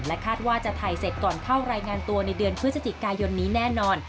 คาดว่าจะถ่ายเสร็จก่อนเข้ารายงานตัวในเดือนพฤศจิกายนนี้แน่นอน